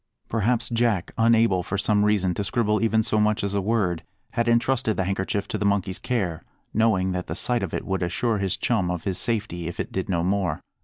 Perhaps Jack, unable for some reason to scribble even so much as a word, had entrusted the handkerchief to the monkey's care, knowing that the sight of it would assure his chum of his safety, if it did no more.